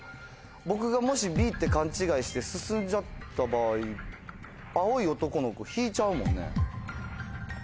僕がもしＢって勘違いして進んじゃった場合青い男の子ひいちゃうもんね。